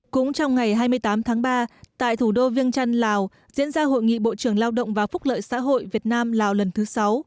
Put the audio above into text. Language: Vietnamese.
cũng trong ngày hai mươi tám tháng ba tại thủ đô viêng trăn lào diễn ra hội nghị bộ trưởng lao động và phúc lợi xã hội việt nam lào lần thứ sáu